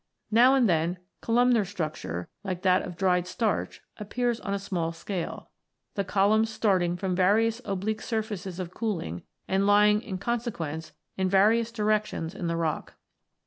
Now and then, columnar structure, like that of dried starch, appears on a small scale, the columns starting from various oblique surfaces of cooling, and lying in consequence in various directions in the rock.